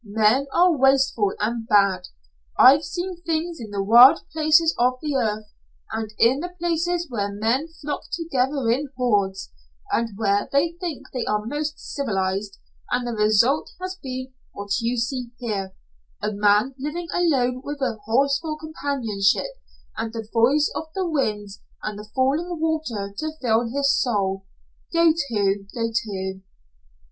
Men are wasteful and bad. I've seen things in the wild places of the earth and in the places where men flock together in hoards and where they think they are most civilized, and the result has been what you see here, a man living alone with a horse for companionship, and the voice of the winds and the falling water to fill his soul. Go to. Go to."